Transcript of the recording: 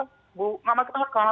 nggak masuk akal